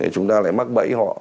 chúng ta lại mắc bẫy họ